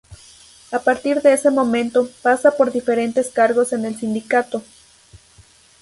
A partir de ese momento, pasa por diferentes cargos en el sindicato.